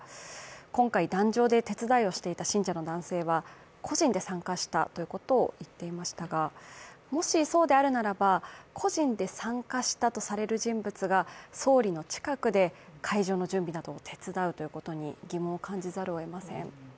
今回、檀上で手伝いをしていた信者の男性は個人で参加したということを言っていましたが、もしそうであるならば、個人で参加したとされる人物が総理の近くで会場の準備などを手伝うということに疑問を感じざるをえません。